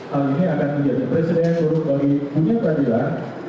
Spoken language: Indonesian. hal ini akan menjadi presiden buruk bagi dunia peradilan